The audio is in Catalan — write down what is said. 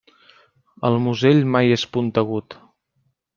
El musell mai és puntegut.